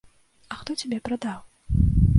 А хто цябе прадаў?